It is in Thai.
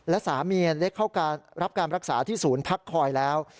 และสามีได้เข้ารับการรักษาที่ศูนย์พักคอยแล้ว